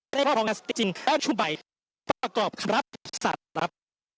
พริกษีนัทจริงและชุ่มใบประกอบคำรับสารรับ